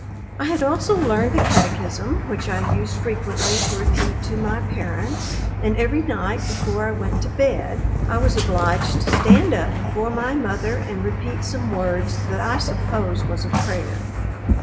I had also learned the Catechism, which I used frequently to repeat to my parents, and every night, before I went to bed, I was obliged to stand up before my mother and repeat some words that I suppose was a prayer.